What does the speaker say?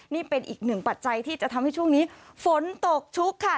นี่เป็นอีกหนึ่งปัจจัยที่จะทำให้ช่วงนี้ฝนตกชุกค่ะ